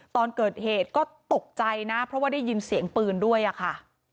ตอนเกิดเหตุก็ตกใจนะเพราะว่าได้ยินเสียงปืนด้วยอะค่ะ